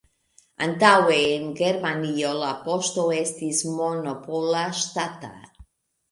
Antaŭe en Germanio la poŝto estis monopola, ŝtata.